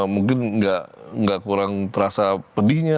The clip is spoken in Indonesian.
mungkin nggak kurang terasa pedihnya